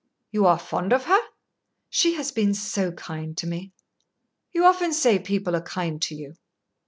"You are fond of her?" "She has been so kind to me." "You often say people are kind to you."